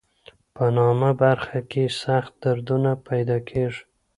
په نامه برخه کې سخت دردونه پیدا کېږي.